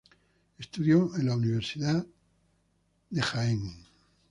Estudió en la Universidad de Halle.